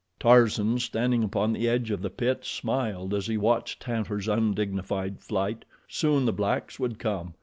Tarzan, standing upon the edge of the pit, smiled as he watched Tantor's undignified flight. Soon the blacks would come.